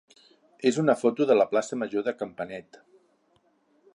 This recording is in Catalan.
és una foto de la plaça major de Campanet.